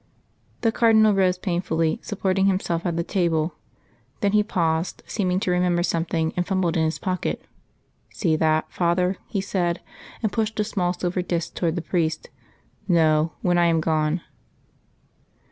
The Cardinal rose painfully, supporting himself by the table. Then he paused, seeming to remember something, and fumbled in his pocket. "See that, father," he said, and pushed a small silver disc towards the priest. "No; when I am gone."